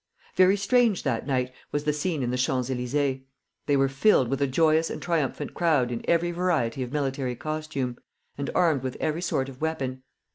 Very strange that night was the scene in the Champs Elysées. They were filled with a joyous and triumphant crowd in every variety of military costume, and armed with every sort of weapon.